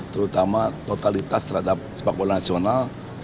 terutama totalitas terhadap sepak bola nasional